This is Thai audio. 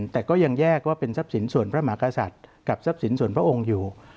แต่ก็ยังแยกว่าเป็นทรัพย์สินส่วนพระมหากษัตริย์กับทรัพย์สินส่วนพระองค์อยู่